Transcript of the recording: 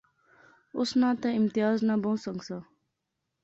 اس ناں تہ امتیاز ناں بہوں سنگ سا